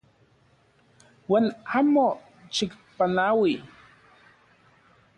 Uan amo xikpanaui.